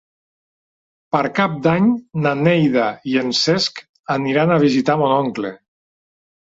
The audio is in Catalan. Per Cap d'Any na Neida i en Cesc aniran a visitar mon oncle.